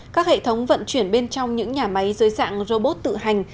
các hệ thống vận chuyển bên trong những nhà máy dưới dạng robot tự hành